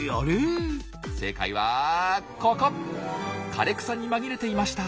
枯れ草に紛れていました。